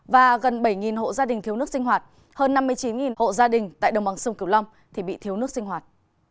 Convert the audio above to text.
và gần bảy hộ gia đình thiếu nước sinh hoạt hơn năm mươi chín hộ gia đình tại đồng bằng sông cửu long thì bị thiếu nước sinh hoạt